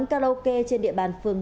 ở quán karaoke trên địa bàn phường năm